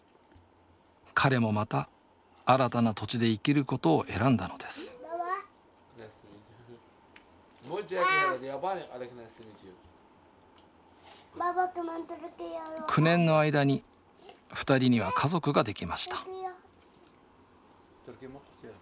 彼もまた新たな土地で生きることを選んだのです９年の間に２人には家族ができました